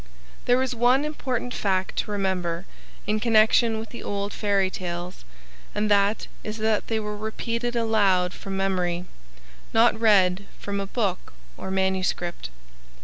There is one important fact to remember in connection with the old fairy tales, and that is that they were repeated aloud from memory, not read from a book or manuscript.